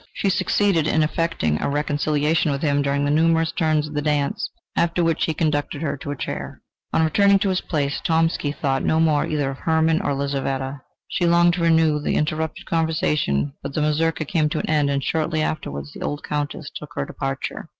She succeeded in effecting a reconciliation with him during the numerous turns of the dance, after which he conducted her to her chair. On returning to his place, Tomsky thought no more either of Hermann or Lizaveta. She longed to renew the interrupted conversation, but the mazurka came to an end, and shortly afterwards the old Countess took her departure.